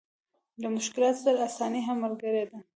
له مشکلاتو سره اساني هم ملګرې ده.